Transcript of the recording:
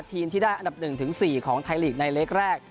ทีมที่ได้อันดับ๑๔ของไทยลีกในเล็กแรก